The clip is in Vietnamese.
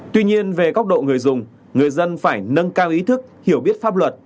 tuy nhiên về góc độ người dùng người dân phải nâng cao ý thức hiểu biết pháp luật